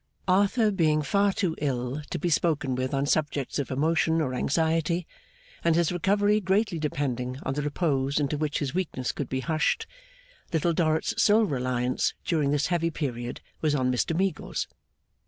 Arthur being far too ill to be spoken with on subjects of emotion or anxiety, and his recovery greatly depending on the repose into which his weakness could be hushed, Little Dorrit's sole reliance during this heavy period was on Mr Meagles.